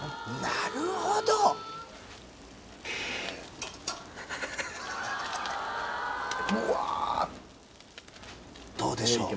なるほどうわどうでしょう？